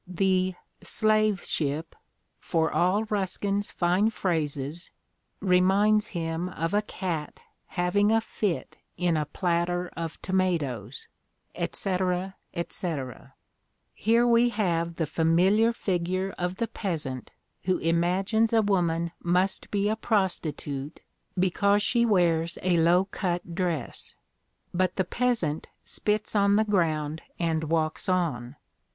The "Slave Ship," for all Ruskin's fine I phrases, reminds him of a cat having a fit in a platter ' of tomatoes. Etcetera, etcetera. Here we have the familiar figure of the peasant who imagines a woman must be a prostitute because she wears a low cut dress. But the peasant spits on the ground and walks on.